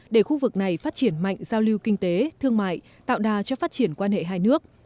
để khu vực này phát triển mạnh giao lưu kinh tế thương mại tạo đà cho phát triển quan hệ hai nước